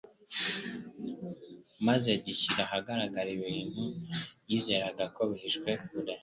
maze gishyira ahagaragara ibintu yizeraga ko bihishwe kure.